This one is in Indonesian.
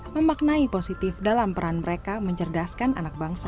memaknai positif dalam peran mereka mencerdaskan anak bangsa